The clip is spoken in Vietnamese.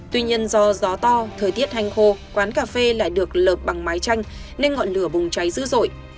tuy nhiên do gió to thời tiết hành khô quán cà phê lại được lợp bằng mái chanh nên ngọn lửa bùng cháy dữ dội